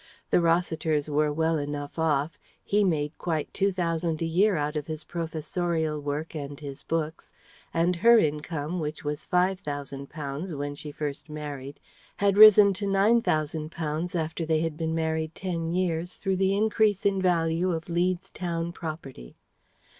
The Rossiters were well enough off he made quite two thousand a year out of his professorial work and his books, and her income which was £5,000 when she first married had risen to £9,000 after they had been married ten years; through the increase in value of Leeds town property.